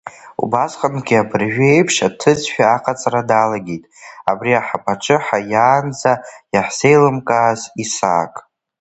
Убасҟангьы абыржәы еиԥш аҭыӡшәа аҟаҵара далагеит, абри аҳаԥаҿы ҳааиаанӡа иаҳзеилымкааз Исаак.